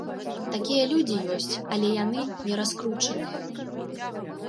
Такія людзі ёсць, але яны нераскручаныя.